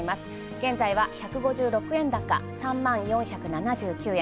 現在は１５６円高３万４７９円。